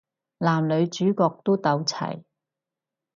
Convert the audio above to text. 男女主角都到齊